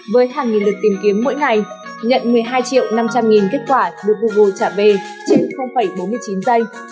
với hàng nghìn lượt tìm kiếm mỗi ngày nhận một mươi hai triệu năm trăm linh nghìn kết quả được google trả về trên bốn mươi chín giây